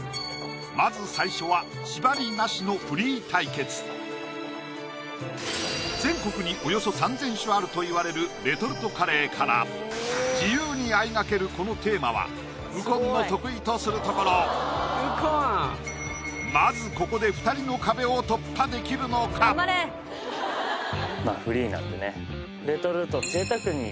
まず最初は縛りなしのフリー対決全国におよそ３０００種あるといわれるレトルトカレーから自由にあいがけるこのテーマは右近の得意とするところまずここでレトルト贅沢に！